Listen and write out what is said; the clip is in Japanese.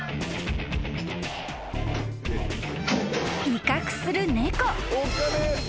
［威嚇する猫］